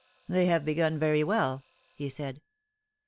" They have begun very well," he said.